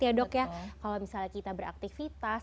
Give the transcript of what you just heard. ya dok ya kalau misalnya kita beraktivitas